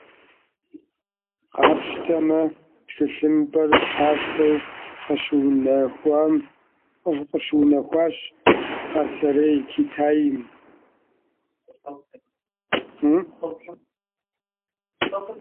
Къапщтэмэ, тхылъымпӏэр пасэу къыщыунэхуащ Пасэрей Китайм.